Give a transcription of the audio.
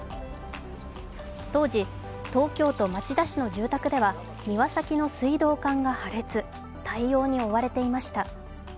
当時、東京都町田市の住宅では庭先の水道管が破裂、対応に追われていました。